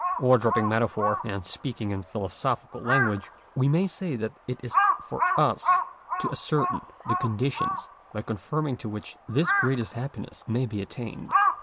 Or dropping metaphor, and speaking in philosophical lan guage, we may say that it is for us to ascertain the conditions by conforming to which this greatest happiness may be at tained.